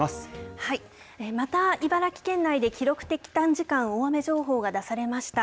また茨城県内で記録的短時間大雨情報が出されました。